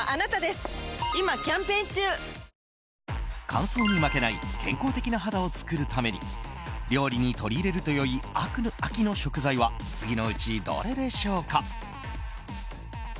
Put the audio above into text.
乾燥に負けない健康的な肌を作るために料理に取り入れると良い秋の食材は次のうちどれでしょうか。